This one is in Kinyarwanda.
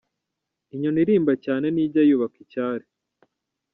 Inyoni irimba cyane ntijya yubaka icyari.